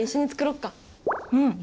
うん。